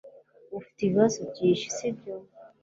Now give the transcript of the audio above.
Ufite ibibazo byinshi sibyo